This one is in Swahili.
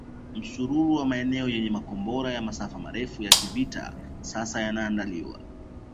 Msururu wa maeneo yenye makombora ya masafa marefu ya kivita sasa yanaandaliwa